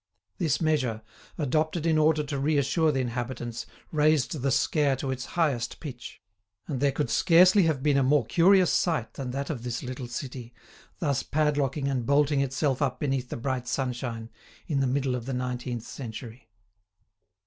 This measure, adopted in order to reassure the inhabitants, raised the scare to its highest pitch. And there could scarcely have been a more curious sight than that of this little city, thus padlocking and bolting itself up beneath the bright sunshine, in the middle of the nineteenth century.